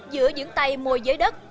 giữa dưỡng tay môi giới đất